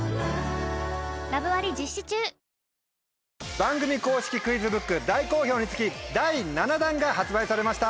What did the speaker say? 番組公式クイズブック大好評につき第７弾が発売されました。